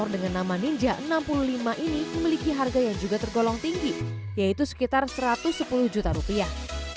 dengan nama ninja enam puluh lima ini memiliki harga yang juga tergolong tinggi yaitu sekitar satu ratus sepuluh juta rupiah